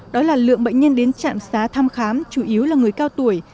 đó là lượng bệnh nhân đến trạm xá thăm khám chủ yếu là người cao tuổi